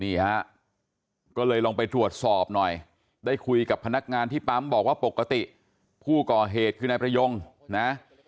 นี่ฮะก็เลยลองไปตรวจสอบหน่อยได้คุยกับพนักงานที่ปั๊มบอกว่าปกติผู้ก่อเหตุคือนายประยงนะ